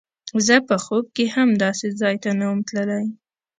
زه په خوب کښې هم داسې ځاى ته نه وم تللى.